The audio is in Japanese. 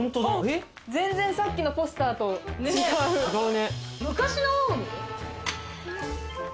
全然さっきのポスターと違う。